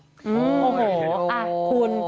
โอ้โหคุณ